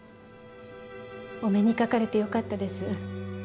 お目にかかれてよかったです。